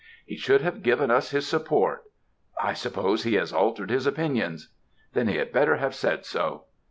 "'He should have given us his support.' "'I suppose he has altered his opinions.' "'Then he had better have said so.'